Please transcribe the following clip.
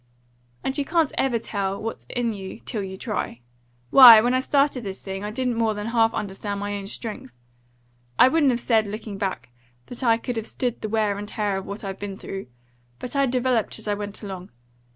"And you can't ever tell what's in you till you try. Why, when I started this thing, I didn't more than half understand my own strength. I wouldn't have said, looking back, that I could have stood the wear and tear of what I've been through. But I developed as I went along.